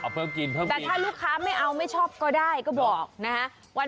เอาเพิ่มกลิ่นเพิ่มกลิ่นนิดหน่อยค่ะแต่ถ้าลูกค้าไม่เอาไม่ชอบก็ได้ก็บอกนะฮะ